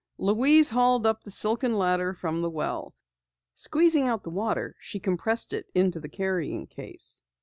Louise hauled up the silken ladder from the well. Squeezing out the water, she compressed it into the carrying case.